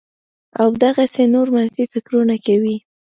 او دغسې نور منفي فکرونه کوي